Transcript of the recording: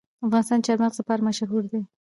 افغانستان د چار مغز لپاره مشهور دی.